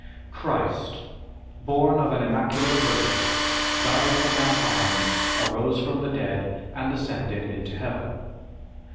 Christ, born of an immaculate virgin, died for mankind, arose from the dead, and ascended into Heaven.